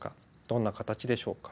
どんな形でしょうか。